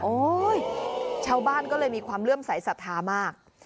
โอ้ยเช่าบ้านก็เลยมีความเลื่อมใสสัทธามาก